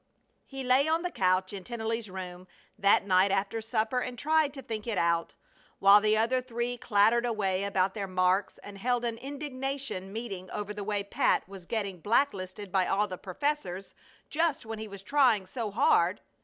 He lay on the couch in Tennelly's room that night after supper and tried to think it out, while the other three clattered away about their marks and held an indignation meeting over the way Pat was getting black listed by all the professors just when he was trying so hard.